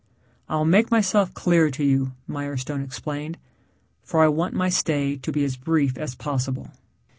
"I'll make myself clear to you," Mirestone explained, "For I want my stay to be as brief as possible."